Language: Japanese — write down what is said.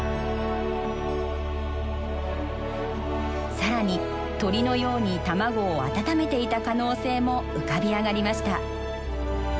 更に鳥のように卵を温めていた可能性も浮かび上がりました。